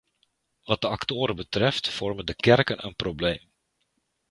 Wat de actoren betreft vormen de kerken een probleem.